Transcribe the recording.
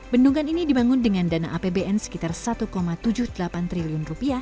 bendungan ini dibangun dengan dana apbn sekitar rp satu tujuh puluh delapan triliun